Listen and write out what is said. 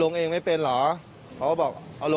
เยี่ยมมากครับ